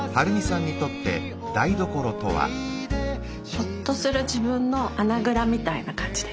ほっとする自分の穴ぐらみたいな感じです。